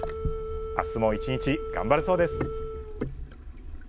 あすも一日頑張れそう。